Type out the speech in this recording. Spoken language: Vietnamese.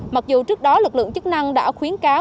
mặc dù trước đó lực lượng chức năng đã khuyến cáo